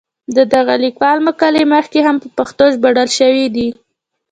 د دغه لیکوال مقالې مخکې هم په پښتو ژباړل شوې دي.